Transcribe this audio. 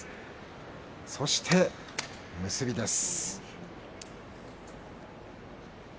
そして結びです。